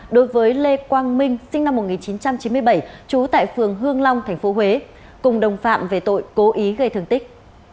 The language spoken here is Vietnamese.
đối với lê quang minh sinh năm một nghìn chín trăm chín mươi bảy trú tại phường hương long tp huế cùng đồng phạm về tội cố ý gây thương tích